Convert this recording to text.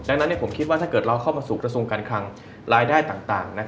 ดังนั้นผมคิดว่าถ้าเกิดเราเข้ามาสู่กระทรวงการคลังรายได้ต่าง